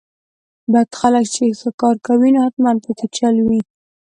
بد خلک چې ښه کار کوي نو حتماً پکې چل وي.